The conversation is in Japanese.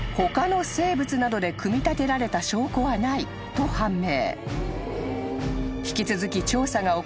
［と判明］